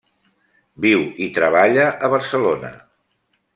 Viu i treballa a Barcelona.